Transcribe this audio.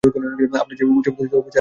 আপনার চেয়েও উচ্চপদস্থ অফিসার আছে, স্যার।